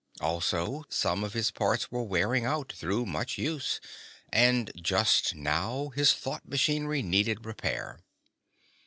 Also some of his parts were wearing out, through much use, and just now his thought machinery needed repair.